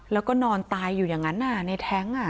แล้วก็นอนตายอยู่อย่างนั้นน่ะในแท็งค์อ่ะ